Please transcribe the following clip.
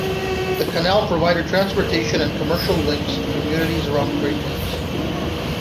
The canal provided transportation and commercial links to communities around the Great Lakes.